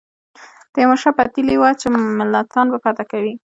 تیمور شاه پتېیلې وه چې ملتان به فتح کوي.